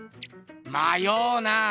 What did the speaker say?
まようなあ。